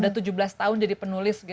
udah tujuh belas tahun jadi penulis